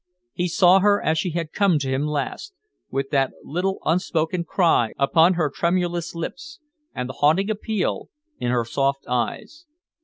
He saw her as she had come to him last, with that little unspoken cry upon her tremulous lips, and the haunting appeal in her soft eyes.